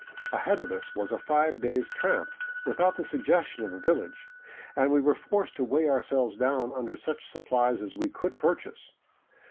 Ahead of us was a five days' tramp without the suggestion of a village, and we were forced to weigh ourselves down under such supplies as we could purchase.